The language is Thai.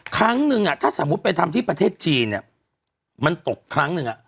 ครั้งนึงถ้าสมมุติไปทำที่ประเทศจีนมันตกครั้งหนึ่ง